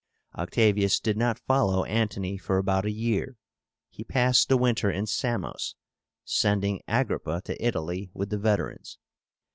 Octavius did not follow Antony for about a year. He passed the winter in Samos, sending Agrippa to Italy with the veterans.